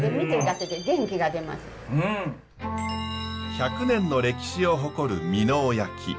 １００年の歴史を誇る箕面焼。